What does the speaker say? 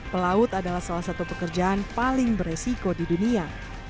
pelaut adalah salah satu pekerjaan paling beresiko di dunia